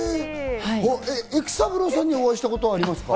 育三郎さんにお会いしたことはありますか？